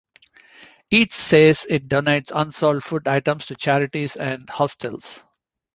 Eat says it donates unsold food items to charities and hostels.